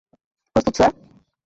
প্রস্তুত, স্যার।